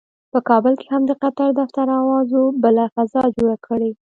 په کابل کې هم د قطر دفتر اوازو بله فضا جوړه کړې.